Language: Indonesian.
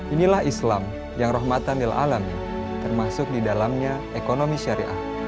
inilah islam yang rohmatan lil alamin termasuk di dalamnya ekonomi syariah